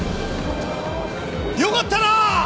よかったなあ！